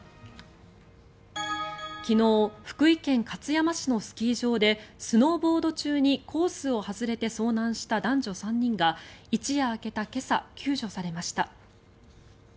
昨日福井県勝山市のスキー場でスノーボード中にコースを外れて遭難した男女３人が一夜明けた今朝救助されました。